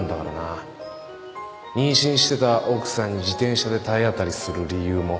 妊娠してた奥さんに自転車で体当たりする理由も